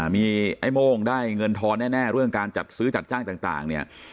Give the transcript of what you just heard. มีไอ้โม่งได้เงินทอนแน่เรื่องการจัดซื้อจัดจ้างต่างเนี่ย